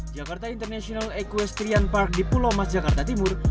jakarta international equestrian park di pulau mas jakarta timur